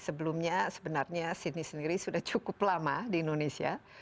sebelumnya sebenarnya sydney sendiri sudah cukup lama di indonesia